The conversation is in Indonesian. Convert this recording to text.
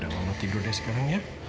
ya udah mama tidur deh sekarang ya